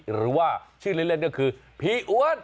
หรือว่าชื่อเล่นก็คือพี่อ้วน